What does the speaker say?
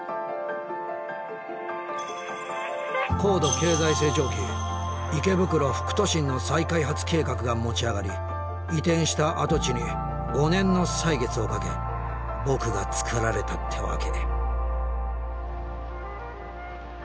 高度経済成長期池袋副都心の再開発計画が持ち上がり移転した跡地に５年の歳月をかけ僕が作られたってわけ。